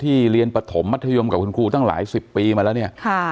เรียนปฐมมัธยมกับคุณครูตั้งหลายสิบปีมาแล้วเนี่ย